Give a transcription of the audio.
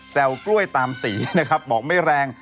กล้วยตามสีนะครับบอกไม่แรง